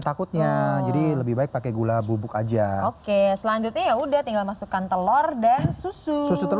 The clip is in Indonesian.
takutnya jadi lebih baik pakai gula bubuk aja oke selanjutnya ya udah tinggal masukkan telur dan susu